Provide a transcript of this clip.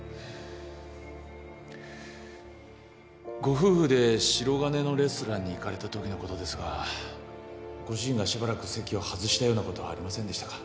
ご夫婦で白金のレストランに行かれたときのことですがご主人がしばらく席を外したようなことはありませんでしたか？